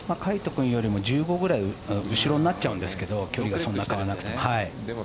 君よりも１５くらい後ろになっちゃうんですけど距離が変わらなくても。